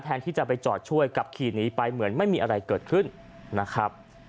ที่จะไปจอดช่วยขับขี่หนีไปเหมือนไม่มีอะไรเกิดขึ้นนะครับ